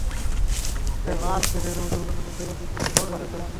তারপর ক্রুসেডার ও মুসলমানদের মধ্যকার যুদ্ধ-বিগ্রহের কথা উল্লেখ করেছেন।